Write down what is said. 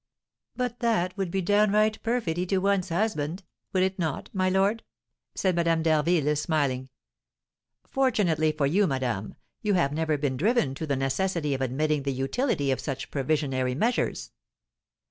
"But that would be downright perfidy to one's husband, would it not, my lord?" said Madame d'Harville, smiling. "Fortunately for you, madame, you have never been driven to the necessity of admitting the utility of such provisionary measures."